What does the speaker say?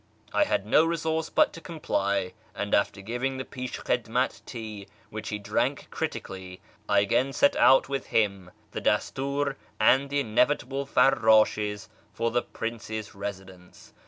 I had no resource but to comply, and after giving the j^'lshklddmat tea, which he drank critically, I again set out with him, the Dastiir, and the inevitable farrdshes, for the Prince's residence.